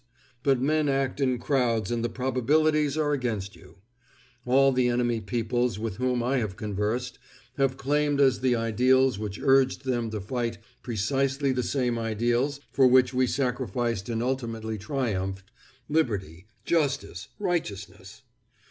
But men act in crowds and the probabilities are against you. All the enemy peoples with whom I have conversed, have claimed as the ideals which urged them to fight precisely the same ideals for which we sacrificed and ultimately triumphed—liberty, justice, righteousness.